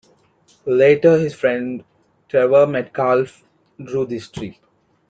Later his friend Trevor Metcalfe drew this strip.